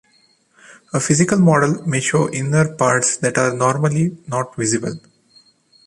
A physical model may show inner parts that are normally not visible.